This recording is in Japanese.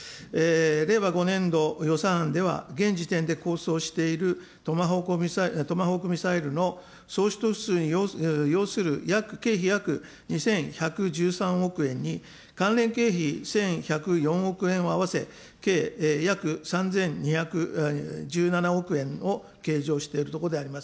令和５年度予算案では、現時点で構想しているトマホークミサイルのにようする経費約２１１３億円に、関連経費１１０４億円を合わせ、計約３２１７億円を計上しているところであります。